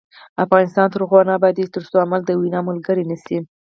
افغانستان تر هغو نه ابادیږي، ترڅو عمل د وینا ملګری نشي.